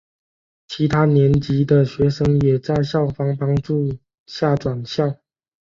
其他年级的学生也在校方帮助下转校。